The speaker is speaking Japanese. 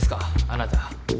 あなた。